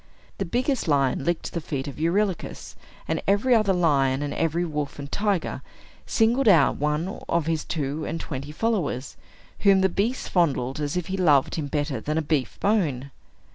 The biggest lion licked the feet of Eurylochus; and every other lion, and every wolf and tiger, singled out one of his two and twenty followers, whom the beast fondled as if he loved him better than a beef bone.